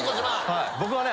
僕はね